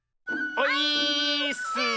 オイーッス！